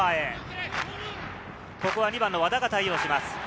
ここは２番の和田が対応します。